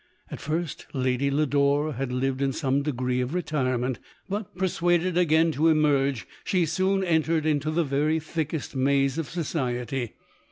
At first Lad\ Lodore had lived in some degree of retirement, but persuaded again to emerge, she soon en tered into the Aery thickest maze of society.